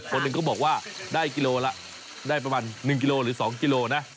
คนหนึ่งก็บอกว่าได้กิโลละได้ประมาณ๑กิโลหรือ๒กิโลนะ